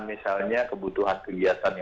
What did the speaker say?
misalnya kebutuhan kegiatan